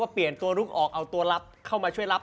เปลี่ยนตัวลุกออกเอาตัวรับเข้ามาช่วยรับ